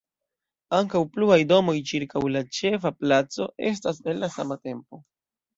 Ankaŭ pluaj domoj ĉirkaŭ la ĉefa placo estas el la sama tempo.